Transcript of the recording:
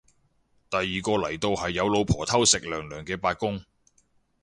第二個嚟到係有老婆偷食娘娘嘅八公